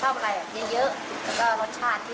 ก็เลยเปลี่ยนมาเป็นกะเพราธาตุยักษ์